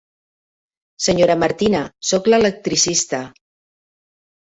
Senyora Martina, soc l'electricista.